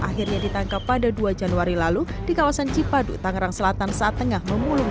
akhirnya ditangkap pada dua januari lalu di kawasan cipadu tangerang selatan saat tengah memulung